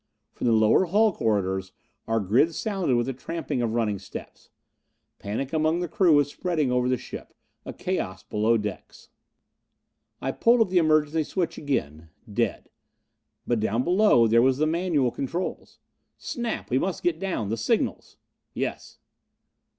From the lower hull corridors our grids sounded with the tramping of running steps. Panic among the crew was spreading over the ship. A chaos below decks. I pulled at the emergency switch again. Dead.... But down below there was the manual controls. "Snap, we must get down. The signals." "Yes."